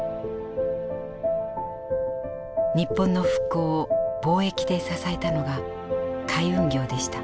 日本の復興を貿易で支えたのが海運業でした。